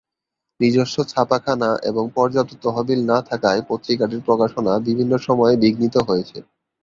নিজস্ব ছাপাখানা এবং পর্যাপ্ত তহবিল না থাকায় পত্রিকাটির প্রকাশনা বিভিন্ন সময়ে বিঘ্নিত হয়েছে।